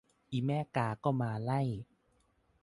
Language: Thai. อีแม่กาก็มาไล่